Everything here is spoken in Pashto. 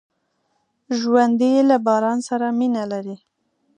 ژوندي له باران سره مینه لري